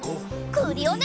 クリオネ！